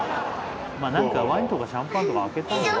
なんかワインとかシャンパンとか開けた。